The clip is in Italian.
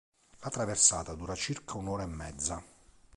La traversata dura circa un'ora e mezza.